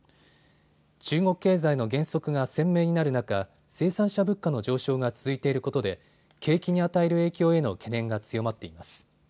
中国経済の減速が鮮明になる中、生産者物価の上昇が続いていることで景気に与える影響への懸念が強まっています。